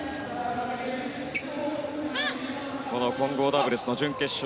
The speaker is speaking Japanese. この混合ダブルスの準決勝